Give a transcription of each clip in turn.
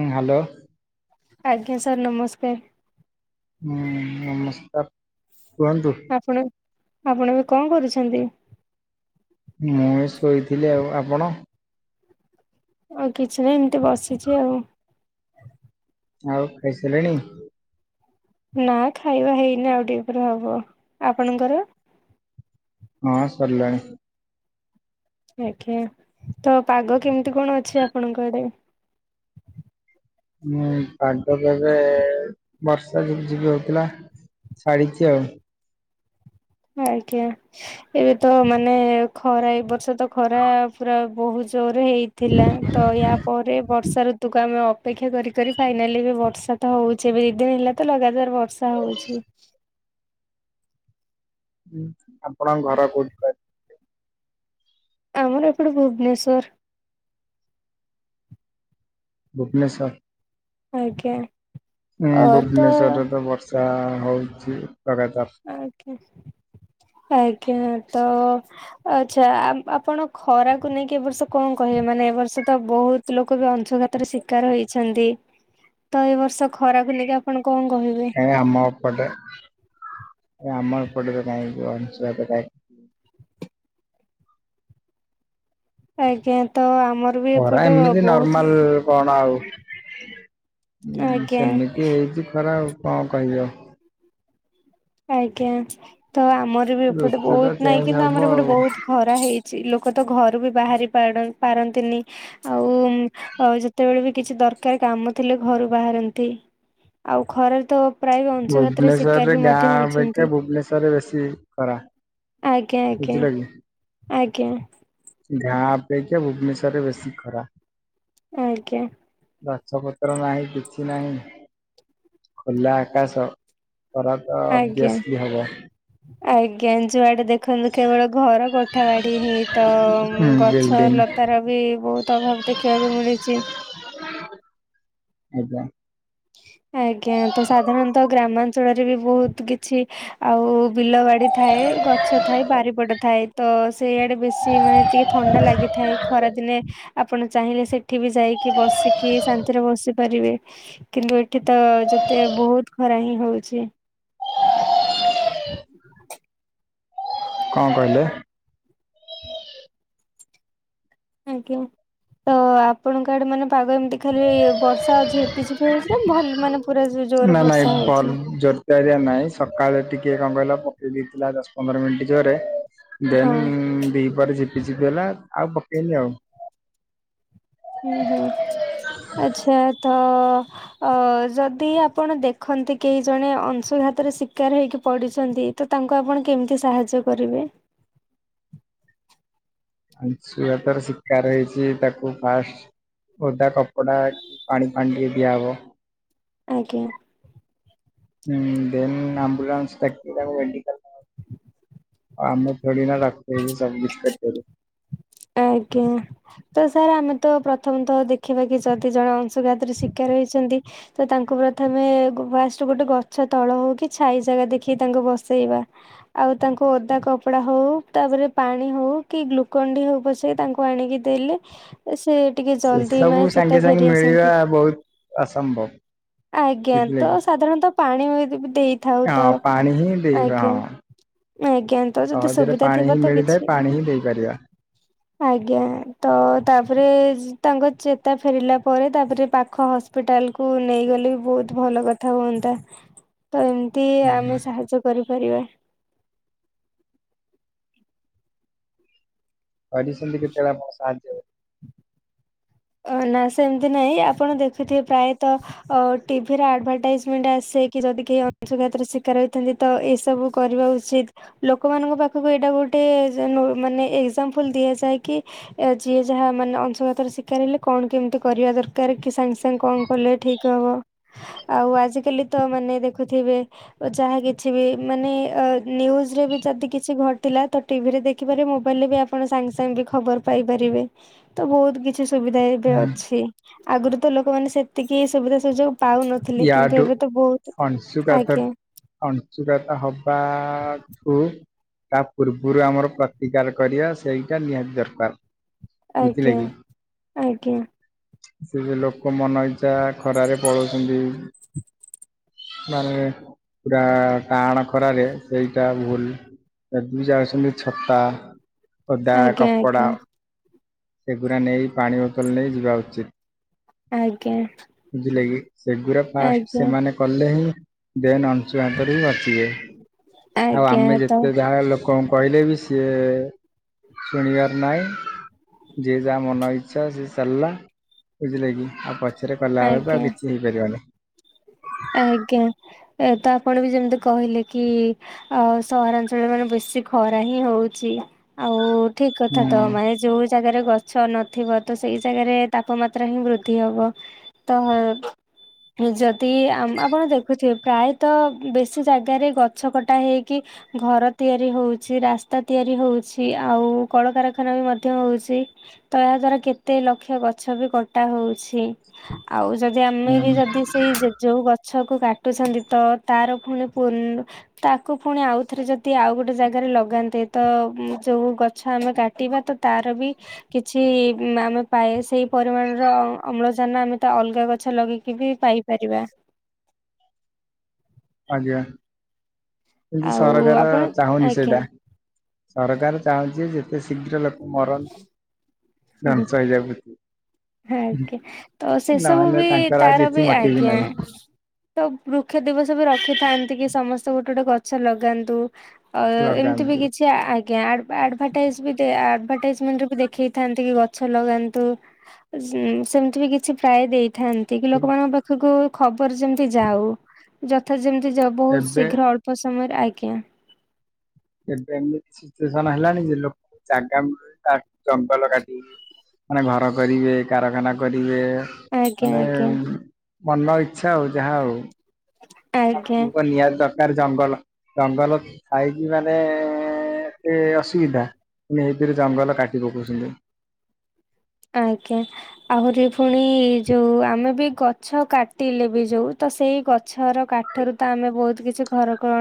ହଁ ହ୍ୟାଲୋ। ଆଜ୍ଞା ସାର୍ ନମସ୍କାର। ହୁଁ ନମସ୍କାର କୁହନ୍ତୁ। ଆପଣ ଆପଣ ଏବେ କଣ କରୁଛନ୍ତି? ମଣ ଆଉ କିଛି ନାହିଁ ଏମିତି ବସିଛି ଆଉ। ଆଉ ଖାଇସାରିଲେଣି? ନା ଖାଇବା ହେଇନି ଆଉ ଟିକେ ପରେ ହବ ଆପଣଙ୍କର? ହଁ ସରିଲାଣି। ଆଜ୍ଞା ତ ପାଗ କେମିତି କଣ ଅଛି ଆପଣଙ୍କ ଆଡେ? ହଁ ପାଗ ଏବେ ବର୍ଷା ଯିିପି ଯିିପି ହଉଥିଲା। ଛାଡ଼ିଛି ଆଉ। ଆଜ୍ଞା ଏବେ ତ ମାନେ ଖରା ଏ ବର୍ଷ ତ ଖରା ପୁରା ବହୁତ ଜୋର ହେଇଥିଲା ତ ୟା ପରେ ବର୍ଷା ଋତୁକୁ ଆମେ ଅପେକ୍ଷା କରି କରି ଫାଇନାଲି ଏ ବର୍ଷା ତ ହଉଛି ଏ ଦି ଦିନ ହେଲା ତ ଲଗାତାର ବ ବର୍ଷା ସଉଛି। ହଁ ଆପଣଙ୍କ ଘର କୋଉଠି? ଆମର ଏପଟେ ଭୁବନେଶ୍ଵର। ଭୁବନେଶ୍ୱର। ଆଜ୍ଞା। ହଁ ଅ ତ ଭୁବନେଶ୍ୱର ରେ ତ ବର୍ଷା ହଉଛି ଲଗାତାର। ଆଜ୍ଞା ଆଜ୍ଞା ତ ଆଚ୍ଛା ଆପଣ ଖରାକୁ ନେଇକି ଏ ବର୍ଷ କଣ କହିବେ? ମାନେ ଏ ବର୍ଷ ତ ବହୁତ ଲୋକ ବି ଅଂଶୁଘାତର ଶିକାର ହେଇଛନ୍ତି। ତ ଏ ବର୍ଷ ଖରାକୁ ନେଇକି ଆପଣ କଣ କହିବେ? ନାଇଁ ଅମ ଅପଟେ ଆମର ପଟେ ତ କାଇଁ ଅଂଶୁଘାତ କାଇଁ। ଆଜ୍ଞା ତ ଆମ ଖରା ଏମିତି ନର୍ମାଲ କଣ ଆଉ ହଁ ଆଜ୍ଞା ସେମିତି ହେଇଛି ଖରା କଣ କହିବି ଆଉ। ଆଜ୍ଞା ତ ଆମର ବି ଏପଟେ ଋତୁ ତ ବହୁତ ନାଇଁ ଚେଞ୍ଜ କିନ୍ତୁ ହବ ଆମର ଏପଟେ ଆଉ। ବହୁତ ଖରା ହେଇଛି। ଲୋକ ତ ଘରୁ ବି ବାହାରି ପାଡ ପାରନ୍ତିନି, ଆଉ ଯେତେବେଳେ ବି କିଛି ଦ ଦରକାରୀ କାମ ଥିଲେ ଘରୁ ବାହାରନ୍ତି, ଆଉ ଖରାରେ ତ ପ୍ରାୟ ବି ଅଂଶୁଘାତରେ ଶିକାର ଭୁବନେଶ୍ଵରରେ ବି ମ ଗାଁ ଧ୍ୟ ଅପେକ୍ଷା ହୋଇଛନ୍ତି। ଭୁବନେଶ୍ଵରରେ ବେଶୀ ଖରା ଆଜ୍ଞା ଆଜ୍ଞା ବୁଝିଲ କି? ଆ କେଉଁ [unintelligible] ଗାଁ ଅପେକ୍ଷା ଭୁବନେଶ୍ଵରରେ ବେଶୀ ଖରା । ଆଜ୍ଞା। ଗଛ ପତ୍ର ନାହିଁ କିଛି ନାହିଁ ଖୋଲା ଆକାଶ । ଖରା ତ ଆଜ୍ଞା। ଅଭିଅସଲି ହବ । ଆଜ୍ଞା ଯୁଆଡେ ଦେଖନ୍ତୁ କେବଳ ଘର କୋଠା ବାଡ଼ି ହିଁ ତ ହୁଁ ଗଛ ବିଲ୍ଡିଂ ଲତାର ବି ବହୁତ ଭା ସବୁ ଦେଖିବାକୁ ମିଳୁଛି । ଆଜ୍ଞା। ଆଜ୍ଞା ତ ସାଧାରଣତଃ ଗ୍ରାମାଞ୍ଚଳରେ ବି ବହୁତ କିଛି ଆଉ ବିଲ ବାଡି ଥାଏ, ଗଛ ଥାଏ, ବାରିପଟ ଥାଏ, ତ ସେଇଆଡେ ବେଶୀ ମାନେ ଟିକେ ଥଣ୍ଡା ଲାଗି ଥାଏ। ଖରା ଦିନେ ଆପଣ ଚାହିଁଲେ ସେଠି ବି ଯାଇକି ବସିକି ଶାନ୍ତିରେ ବସିପାରିବେ । କିନ୍ତୁ ଏଠି ତ ଯେତେ ବହୁତ ଖରା ହିଁ ହଉଛି। [unintelligible] କଣ କହିଲେ? ଆଜ୍ଞା, ତ ଆପଣଙ୍କ ଆଡେ ମାନେ ପାଗ ଏମିତି ଖାଲି ବର୍ଷା ଝିପି ଝିପି ହଉଛି ନା ଭଲ ମାନେ ପୁରା ନା ଜୋରରେ ନାଇଁ ବର୍ଷା ବଲ ହଉଛି? ଜୋରଦାରିଆ ନାଇଁ ସକାଳେ ଟିକିଏ କଣ କହିଲ ପକେଇ ଦେଇଥିଲା ଦଶ ପନ୍ଦର ମିନିଟ୍ ଜୋରେ ହଁ। ଦେନ୍ ଦିପରେ ଝିପ୍ ଝିପ୍ ହେଲା ଆଉ ପକେଇନି ଆଉ । ଆଛା ତ ଅ ଯଦି ଆପଣ ଦେଖନ୍ତି, କେହି ଜଣେ ଅଂଶୁଘା ଅଂଶୁଘାତରେ ଶିକାର ହେଇକି ପଡିଛନ୍ତି, ତ ତାଙ୍କୁ ଆପଣ କେମିତି ସାହାଯ୍ୟ କରିବେ? ଅଂଶୁଘାତରେ ଶିକାର ହେଇଛି, ତାକୁ ଫାଷ୍ଟ ଓଦା କପଡା ପାଣି ଫାଣି ଟିକେ ଦିଆହବ। ଆଜ୍ଞା। ହୁଁ ଦେନ୍ ଆମ୍ବୁଲାନ୍ସ ଡାକିକି ତାକୁ ମେଡିକାଲ୍ ନବାକୁ ପଡିବ ।ଆମେ ଥୋଡ଼ି ନା ପାଖେରେ ସବୁ କିଛି କରି ପାରିବ । ଆଜ୍ଞା, ତ ସାର୍ ଆମେ ତ ପ୍ରଥମ ତ ଦେଖିବା କି ଯଦି ଜଣେ ଅଂଶଘାତରେ ଶିକାର ହେଇଛନ୍ତି ତ ତାଙ୍କୁ ପ୍ରଥମେ ଫାଷ୍ଟ ଗୋଟେ ଗଛ ତଳ ହଉ କି, ଛାଇ ଜାଗା ଦେଖିକି ତାଙ୍କୁ ବ ବସେଇବା ।ଆଉ ତାଙ୍କୁ ଓଦା କପଡା ହଉ, ତାପରେ ପାଣି ହଉ କି ଗ୍ଲୁକଣ୍ଡି ହଉ ବସେଇ ତାଙ୍କୁ ଆଣିକି ଦେଲେ। ସେ ସେ ଟିକେ ସେ ଜଲଦି ମାନେ ସବୁ ଚେତା ସାଙ୍ଗେ ସାଙ୍ଗେ ଫେରି ମିଳିବା ଆସନ୍ତି। ବହୁତ ଅସମ୍ଭବ ଆଜ୍ଞା, ବୁଝିଲେ ତ କି। ସାଧାରଣତଃ ପାଣି ଦେଇଥାଉ ତ ହଁ ପାଣି ହିଁ ଦେଇବା ଆଜ୍ଞା । ହଁ ଆଜ୍ଞା ତ ଯଦି ସହଜରେ ସୁବିଧା ପାଣି ଥିବ ହିଁ ତ ମିଳିଥାଏ କିଛି ପାଣି ହିଁ ଦେଇପାରିବା। ଆଜ୍ଞା ତ ତାପରେ ତାଙ୍କ ଚେତା ଫେରିଲା ପରେ, ତାପରେ ପାଖ ହସ୍ପିଟା ଲ୍ କୁ ନେଇଗଲେ ବି ବହୁତ ଭଲ କଥା ହୁଅନ୍ତା। ତ ଏମିତି ହୁଁ ଆମେ ସାହାଯ୍ୟ କରିପାରିବା। କରିଛନ୍ତି ଆପଣ କେତେବେଳେ ସାହାଯ୍ୟ? ନା ସେମିତି ନାହିଁ ଆପଣ ଦେଖୁଥିବେ ପ୍ରାୟତଃ ଟିଭିରେ ଆଡଭଟାଇଜମେଣ୍ଟ ଆସେ। ଯଦି କେହି ଅଂଶୁଘାତର ଶିକାର ହେଇଥାନ୍ତି ତ ଏସବୁ କରିବା ଉଚିତ। ଲୋକମାନଙ୍କ ପାଖକୁ ଏଇଟା ଗୋ ଗୋଟେ ମାନେ ଏକଜାମ୍ପୂଲ୍ ଦିଆଯାଏ କି, ଯିଏ ଯାହା ମାନେ ଅଂଶୁଘାତରେ ଶିକା କାର ହେଲେ, କଣ କେମିତି କରିବା ଦରକାର କି ସାଙ୍ଗେ ସାଙ୍ଗେ କଣ କଲେ ଠିକ ହବ? ଆଉ ଆଜିକାଲି ତ ମାନେ ଦେଖୁଥିବେ ଯାହା କିଛି ବି ମାନେ ନ୍ୟୁଜରେ ବି ଯଦି କିଛି ଘଟେ ପିଲା ତ ଟିଭିରେ ଦେଖି ପାରିବେ ମୋବାଇଲ ରେ ବି ଆପଣ ସାଙ୍ଗେ ସାଙ୍ଗେ ବି ଖବର ପାଇପାରିବେ, ତ ବହୁତ କି କିଛି ସୁବିଧା ଏବେ ଅଛି ।ଆଗରୁ ତ ଲୋକମାନେ ସେତିକି ସୁବିଧା ସୁଯୋଗ ନଥିଲି କିନ୍ତୁ ଏବେ ତ ବହୁ ଅଂଶୁକାତ ଅଂଞ୍ଚୁକାତ ହବାଠୁ ତା ପୂର୍ବରୁ ଆମର ପ୍ରତିକାର କରିବା ସେଇଟା ନିହାତି ଦରକାର। ଆଜ୍ଞା ବୁଝଲ କି? ଆଜ୍ଞା। ସେ ଯେ ଲୋକ ମନ ଇଚ୍ଛା ଖରାରେ ପଳାଉଛନ୍ତି। ମାନେ ପୁରା ଟାଣ ଖର ରେ ସେଇଟା ଭୁଲ ଏ ଦିଇ ଯା ଅଛନ୍ତି ଛତା ଖଦା ଆଜ୍ଞା କପଡା ସେଗୁଡା ନେଇ ପାଣି ବୋତଲ ନେଇ ଯିବା ଉଚିତ ଆଜ୍ଞା। ବୁଝିଲେ କି ସେଗୁଡା ଫାଷ୍ଟ ଆଜ୍ଞା ସେମାନେ କଲେ ହିଁ? ଦେନ୍ ଅଂଶୁଙ୍କରେ ହି ବସିବେ ଆଉ ଆଜ୍ଞା ଆମେ ତ ଯେତେ ଯାହା ଲୋକ କଣ କହିଲେ ବି ସିଏ ଶୁଣିବାର ନହିଁ ଯିଏ ଯାହା ମନ ଇଚ୍ଛା ସେଏ ଚାଲିଲା ବୁଝିଲେ କି ଆଉ ପ ରେ କଲା ଆଉ ଆଜ୍ଞା କିଛି ହେଇପାରିବନି। ଆଜ୍ଞା। ଏ ତ ଆପଣ ବି ଯେମିତି କହିଲେ କି ଆ ସହରାଞ୍ଚଳରେ ମାନେ ବେଶୀ ଖରା ହିଁ ହଉଛି। ଆଉ ଠିକ କଥା ହୁଁ ତ ମାନେ ଯୋଉ ଜାଗାରେ ଗଛ ନଥିବ ତ ସେଇ ଜାଗାରେ ତାପମାତ୍ରା ହିଁ ବୃଦ୍ଧି ହବ ତ ନିଜ ଆପଣ ଦେଖୁଥିବେ ପ୍ରାୟତଃ ବେଶୀ ଜାଗାରେ ଗଛ କଟା ହେଇକି ଘର ତିଆରି ହଉଛି ରାସ୍ତା ତିଆରି ହଉଛି ଆଉ କଳକାରଖାନା ବି ମଧ୍ୟ ହଉଛି ତ ଏହା ଦଵାରା କେତେ ଲକ୍ଷ ଗଛ ବି କଟା ହଉଛି ଆଉ ଯଦି ଆମେ ବି ହୁଁ ଯଦି ସେଇ ଗଛ କ କାଟୁଛନ୍ତି ତ ତାର ପୁଣି ତାକୁ ପୁଣି ଆଉ ଥରେ ଯଦି ଆଉ ଗୋଟେ ଜାଗାରେ ଲଗାନ୍ତେ ତ ଯୋଉ ଗଛ ଆମେ ଗାଟିବା ତ ତାର ବି କିଛି ଆମେ ପା ସେଇ ପରିମାଣରଳ ଆମେ ତ ଅଲଗା ଗଛ ଲଗେଇକି ବି ପାଇପାରିବା ଆଜ୍ଞା କିମୁ ଆଉ ସରକାର ଆପଣ ଚାହୁଁନି ଆଜ୍ଞା ସେଇଟା। ସରକାର ଚାହୁଁଛି ଯେତେ ଶୀଘ୍ର ଲୋକ ମରନ୍ତି ହୁଁ ହୁଁ ଡନ୍ସାଇଜାବତି ଆଜ୍ଞା ତ ସେସବୁ ବି ତାଙ୍କର ଆଉ ତାର କିଛି ବି ମୋଟିଭ ଆଜ୍ଞା। ନାହିଁ ସବୁ ବୃକ୍ଷ ଦବ ସବୁ ରଖିଥାନ୍ତି କି ସମସ୍ତେ ଗୋଟେ ଗୋଟେ ଗଛ ଲଗାନ୍ତୁ ଆ ଏମିତି ବି ଲଗାନ୍ତୁ। କିଛି ଆଜ୍ଞା ଆଡଭଟାଇଜ ବି ମଣ୍ଟ ଦେଖେଇଥାନ୍ତି କି ଗଛ ଲଗାନ୍ତୁ ସେମିତି ବି କିଛି ପ୍ରାୟ ଦେଇ ଥାନ୍ତି କି ଲୋକମାନଙ୍କ ପାଖକୁ ଖବର ଯେମିତି ଯାଉ ଯଥା ଯେମତି ବହୁତ ଏବେ ଶୀଘ୍ର ଅଳ୍ପ ସମୟରେ ଆଇକି ଏବେ ଏମିତି ସିଚୁଏସନ ହେଲାଣି ଯେ ଲୋକଙ୍କୁ ଜାଗା ମିଳୁ ତା ଜଙ୍ଗଲ କାଟ ମାନେ ଘର କରିବେ କାରଖାନା କରିବେ ଆଜ୍ଞା ମାନେ ଆଜ୍ଞା ମନ ଇଛା ଆଉ ଯାହା ଆଉ। ଆ ଆଜ୍ଞା ତମକୁ ନିହାତି ଦରକାର ଜଙ୍ଗଲ ଜଙ୍ଗଲ ଖାଇକି ମାନେ ଏତେ ଅସୁବିଧା ମ ଏଇଥିରେ ଜଙ୍ଗଲ କାଟି ପକଉଛନ୍ତି। ଆଜ୍ଞା ଆହୁରି ପୁଣି ଯୋଉ ଆମେ ବି ଗଛ କାଟିଲେ ବି ଯୋଉ ତ ସେଇ ଗଛର କାଠରୁ ତ ଆମେ ବହୁତ କିଛି ଘ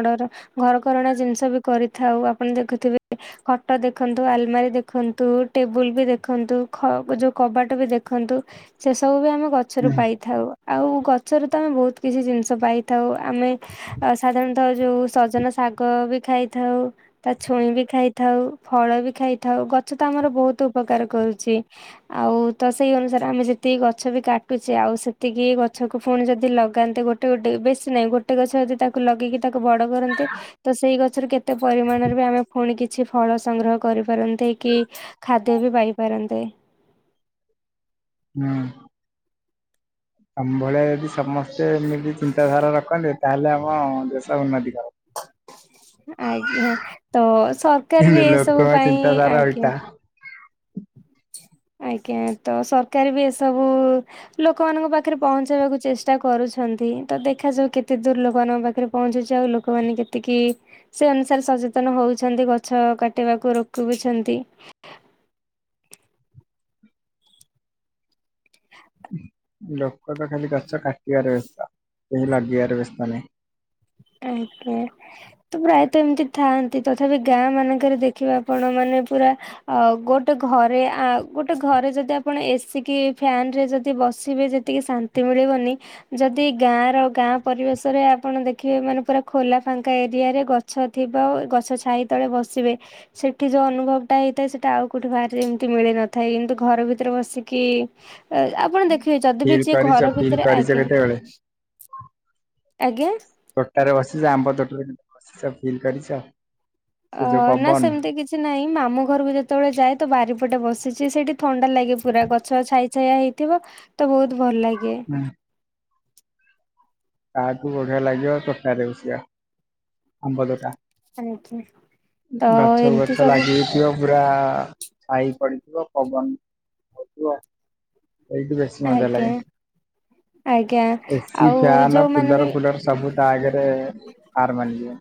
ଘରକଣା ଜିନିଷ ବି କରିଥାଉ ଆପଣ ଦେଖୁଥିବେ ଖଟ ଦେଖନ୍ତୁ ଆଲମାରି ଦେଖନ୍ତୁ ଟେବୁଲ ବି ଦେଖନ୍ତୁ ଯୋଉ କବାଟ ବି ଦେଖନ୍ତୁ ସେ ସବୁ ବି ଆମେ ଗଛରୁ ହୁଁ ପାଇଥାଉ ଆଉ ଗଛରେ ତ ଆମେ ବହୁତ କିଛି ଜିନିଷ ପାଇଥାଉ ଆମେ ସାଧାରଣତଃ ଯୋଉ ସଜନା ଶାଗ ବି ଖାଇଥାଉ ତା ଛୁଇଁ ବି ଖାଇଥାଉ ଫଳ ବି ଖାଇଥାଉ ଗଛ ତ ଆମର ବହୁତ ଉପକାର କରୁଛି ଆଉ ତ ସେଇ ଅନୁସାରେ ଆମେ ଯେତିକି ଗଛ ବି କାଟୁଚେ ଆଉ ସେତିକି ଗଛକୁ ପୁଣି ଯଦି ଲଗ ଲଗାନ୍ତେ ଗୋଟେ ଗୋଟେ ବେସି ନାଇଁ ଗୋଟେ ଗଛ ଯଦି ତାକୁ ଲଗେଇକି ତାକୁ ବଡ କରନ୍ତି ତ ସେଇ ଗଛରେ କେତେ ପରିମାଣରେ ଆମେ ପୁଣି କିଛି ଫଳ ସଂଗ୍ରହ କରିପାରନ୍ତେ କି ଖାଦ୍ୟ ବି ପାଇପାରନ୍ତେ। ହଁ। ତମଭଳିଆ ଯଦି ସମସ୍ତେ ଏମିତି ଚିନ୍ତାଧାରା ରଖନ୍ତେ ତାହେଲେ ଆମ ଦେଶ ଉନ୍ନତି କର ଆଜ୍ଞା ତ ସରକାର କିନ୍ତୁ ବି ଏସବୁ ଲୋକଙ୍କ ପାଇଁ ଚିନ୍ତାଧାରା ଓଲଟା ଆଜ୍ଞା [inaudible] ଆଜ୍ଞା ତ ସରକାର ବି ଏସବୁ ଲୋକମାନଙ୍କ ପାଖରେ ପହଞ୍ଚେଇବାକୁ ଚେଷ୍ଟା କରୁଛନ୍ତି। ତ ଦେଖାଯାଉ କେତେ ଦୂର ଲୋକମାନଙ୍କ ପାଖରେ ପହଞ୍ଚୁଛି ଆଉ ଲୋକମାନେ କେତିକି ସେ ଅନୁସାରେ ସଚେତନ ହଉଛନ୍ତି ଗଛ କାଟିବାକୁ ରୋକୁ ବି ଛନ୍ତି। ଲୋକ ତ ଖାଲି ଗଛ କାଟିବାର ବ୍ୟସ୍ଥ କେହି ଲଗେଇ ବାରେ ବ୍ୟସ୍ତ ନାହିଁ। ଆଜ୍ଞା ତ ପ୍ରାୟତଃ ଏମିତି ଥାଆନ୍ତି ତଥାପି ଗାଁ ମାନଙ୍କରେ ଦେଖିବେ ଆପଣ ମାନେ ପୁରା ଗୋଟେ ଘରେ ଗୋଟେ ଆଁ ଘରେ ଯଦି ଆପଣ ଏସି କି ଫ୍ୟାନ ରେ ଯଦି ବସିବେ ଯେତିକି ଶାନ୍ତି ମିଳିବନି ଯଦି ଗାଁ ର ଗାଁ ପରିବେଶ ରେ ଆପଣ ଦେଖ ଦେଖିବେ ମାନେ ପୁରା ଖୋଲା ଫାଙ୍କା ଏରିଆରେ ଗଛ ଥିବ ଗଛ ଛାଇ ତଳେ ବସିବେ ସେଠି ଯ ଅନୁଭବ ଟା ହେଇଥାଏ ସେଟା ଆଉ କୋଉଠି ବାହାରେ ଏମତି ମିଳିନଥାଏ। କିନ୍ତୁ ଘର ଭିତରେ ବସିକି ଆପଣ ଦେଖ ଯଦି ବି ଫିଲ୍ ଯିଏ କରିଛ ଘର ଫିଲ୍ ଭିତରେ କରିଛ ଆଜ୍ଞା କେତେବେଳେ? ଆଜ୍ଞା। ବସିଛ ଆମ୍ବ ଚଟଣି ବସିଛ ଫିଲ୍ କରିଛ? ସେ ଯୋଉ ଅ ନା ପବନ ସେମିତି କିଛି ନାହିଁ ମାମୁଁ ଘରକୁ ଯେତେବେଳେ ଯାଏ ତୋ ବାରିପଟେ ବସିଛି ସେଠି ଥଣ୍ଡା ଲାଗେ ପୁରା ଗଛ ଛାଇ ଛାଇଆ ହେଇଥିବ ତ ବହୁତ ଭଲ ଲାଗେ। ତାଠୁ ବଢିଆ ଲାଗିବ ତୋଟା ରେ ବସିଵା ଆମ୍ବତୋଟା। ଆଜ୍ଞା। ତ ଗଛକୁ ଏମିତି ଗଛ ସବୁ ଲାଗିକି ଥିବ ପୁରା ଛାଇ ପଡିଥିବ ପବନ ହଉଥିବ ଏଇଠି ବେଶୀ ମଜା ଆଜ୍ଞା ଲାଗେ ଆଜ୍ଞା ଏସି ଆଉ ଫ୍ୟାନ ଯୋଉମାନେ କୁଲର ବି ଫୁଲର ସବୁ ତା ଆଗରେ ହାର ମାନିଯିବ।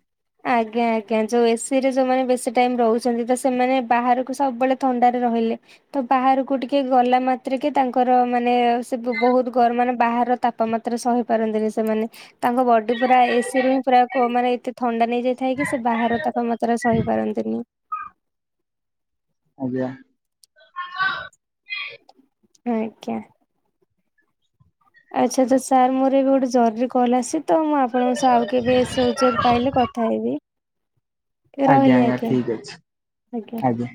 ଆଜ୍ଞା ଆଜ୍ଞା ଯୋଉ ଏସି ରେ ଯୋଉମାନେ ବେଶୀ ଟାଇମ ରହୁଛନ୍ତି ତ ସେମାନେ ବାହାରକୁ ସବୁବେଳେ ଥଣ୍ଡାରେ ରହିଲେ ତ ବାହାରକୁ ଟିକେ ଗଲା ମାତ୍ରେକେ ତାଙ୍କର ମାନେ ସେ ବହୁତ ଗ ମାନେ ବା ତାପମାତ୍ରା ସହି ପାରନ୍ତିନି ସେମାନେ ତାଙ୍କ ବଡି ପୁରା ଏସିରୁ ହଁ ପୁରା କୋ ମାନେ ଥଣ୍ଡା ନେଇଯାଇଥାଏ କି ସେ ବାହାର ତାଙ୍କ ମାତ୍ରାରେ ସହିପାରନ୍ତିନି। ଆଜ୍ଞା। ଆଜ୍ଞା। ଆଛା ତ ସାର୍ ମୋର ଏବେ ଗୋଟେ ଜରୁରୀ କଲ୍ ଆସି ତ ମୁଁ ଆପଣଙ୍କ ସହ ଆଉ କେବେ ସୁଯୋଗ ପାଇଲେ କଥା ହେବି। ଆଜ୍ଞା ଆଜ୍ଞା ଠିକ ଅଛି ଆଜ୍ଞା।